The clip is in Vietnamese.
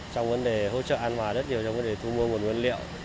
trong vấn đề hỗ trợ an hòa rất nhiều trong vấn đề thu mua nguồn nguyên liệu